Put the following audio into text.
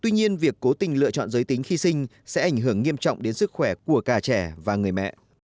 tuy nhiên việc cố tình lựa chọn giới tính khi sinh sẽ ảnh hưởng nghiêm trọng đến sức khỏe của cả trẻ và người mẹ